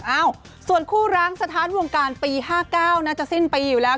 เอ้าส่วนคู่ร้างสถานวงการปี๕๙น่าจะสิ้นปีอยู่แล้ว